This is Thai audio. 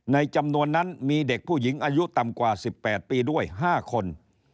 ในจำนวนนั้นมีเด็กผู้หญิงอายุต่ำกว่า๑๘ปีด้วย๕คน